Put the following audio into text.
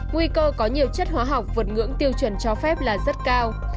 nguy cơ có nhiều chất hóa học vượt ngưỡng tiêu chuẩn cho phép là rất cao